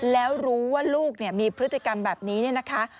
แล้วรู้ว่าลูกมีพฤติกรรมแบบนี้เนี่ยนะคะ